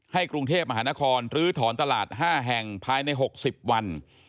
กรุงเทพมหานครลื้อถอนตลาด๕แห่งภายใน๖๐วัน